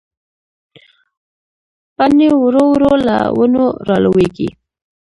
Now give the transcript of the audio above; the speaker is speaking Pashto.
پاڼې ورو ورو له ونو رالوېږي